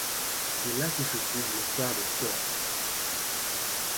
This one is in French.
C'est là que se trouve le Phare de Sõrve.